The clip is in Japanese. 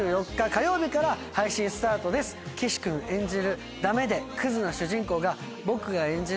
岸君演じるダメでクズな主人公が僕が演じる